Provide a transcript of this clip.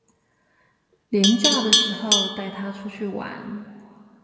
連假的時候帶他出去玩